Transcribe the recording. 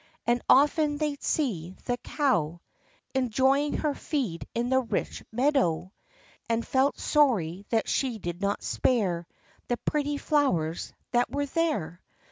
And often they'd see the cow Enjoying her feed in the rich meadow; And felt sorry that she did not spare The pretty flowers that were there.